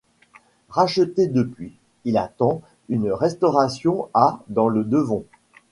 Racheté depuis, il attend une restauration à dans le Devon.